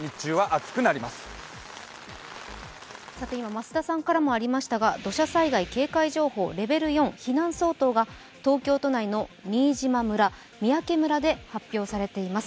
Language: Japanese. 増田さんからもありましたが土砂災害警戒情報レベル４避難相当が東京都内の新島村、三宅村で発表されています。